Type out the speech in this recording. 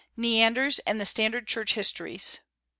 Neander's and the standard Church Histories.